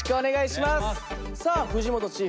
さあ藤本チーフ